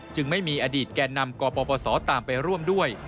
ไม่มีอดีตแก่นำกปปศตามไปร่วมด้วย